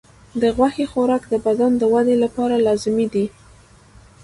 د غوښې خوراک د بدن د ودې لپاره لازمي دی.